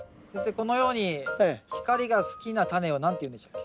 このように光が好きなタネを何ていうんでしたっけ？